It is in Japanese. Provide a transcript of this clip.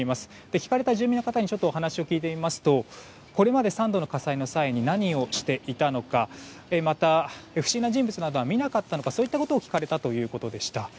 聞かれた住民の方にお話を聞いてみますとこれまで３度の火災の際に何をしていたのかまた、不審な人物などは見なかったのかそういったことを聞かれたということでした。